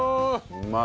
うまい。